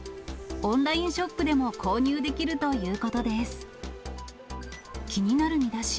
オンラインショップでも購入できるということです。